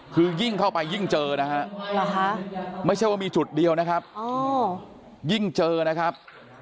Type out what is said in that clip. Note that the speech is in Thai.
คือยิ่งเข้าไปยิ่งเจอนะฮะไม่ใช่ว่ามีจุดเดียวนะครับยิ่งเจอนะครับ